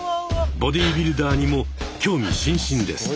ボディビルダーにも興味津々です！